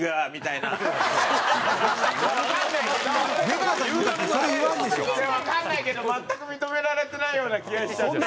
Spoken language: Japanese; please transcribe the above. いやわかんないけど全く認められてないような気がしちゃって。